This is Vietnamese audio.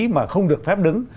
mà không được phép đứng